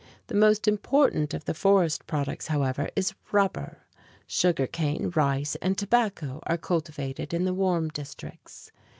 The most important of the forest products, however, is rubber. Sugar cane, rice, and tobacco are cultivated in the warm districts.